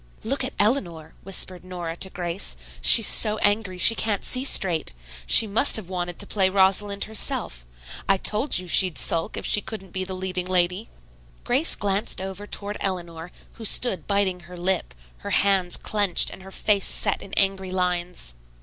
"Look at Eleanor," whispered Nora to Grace. "She's so angry she can't see straight. She must have wanted to play Rosalind herself. I told you she'd sulk if she couldn't be the leading lady." Grace glanced over toward Eleanor, who stood biting her lip, her hands clenched and her face set in angry lines.